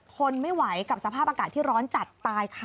ทนไม่ไหวกับสภาพอากาศที่ร้อนจัดตายค่ะ